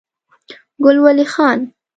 ګل ولي خان